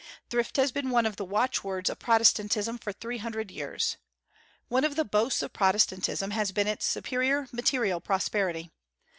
Thrift has been one of the watchwords of Protestantism for three hundred years. One of the boasts of Protestantism has been its superior material prosperity.